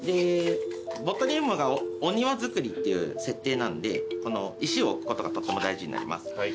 ボトリウムがお庭作りっていう設定なんでこの石を置くことがとっても大事になります。